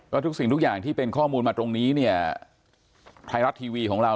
ทุกสิ่งทุกอย่างที่เป็นข้อมูลมาตรงนี้เนี่ยไทยรัฐทีวีของเรา